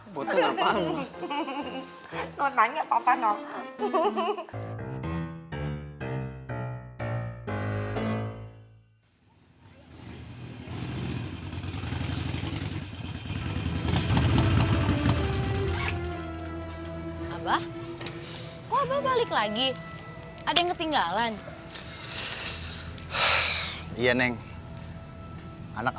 boten apaan pak